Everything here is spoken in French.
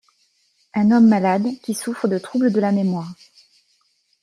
Un homme malade, qui souffre de troubles de la mémoire.